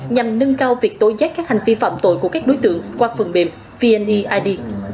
nhằm nâng cao việc tối giác các hành vi phạm tội của các đối tượng qua phần mềm vneid